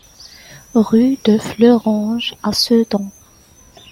Rue de Fleuranges à Sedan